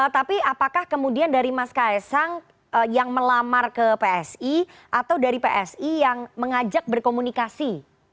tapi apakah kemudian dari mas kaisang yang melamar ke psi atau dari psi yang mengajak berkomunikasi